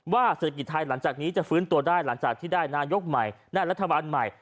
เศรษฐกิจไทยหลังจากนี้จะฟื้นตัวได้หลังจากที่ได้นายกใหม่ได้รัฐบาลใหม่